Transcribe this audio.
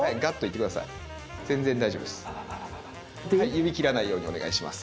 指切らないようにお願いします。